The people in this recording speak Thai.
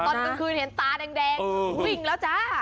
ตอนกลางคืนเห็นตาแดงวิ่งแล้วจ้า